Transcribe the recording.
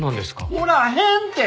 おらへんて！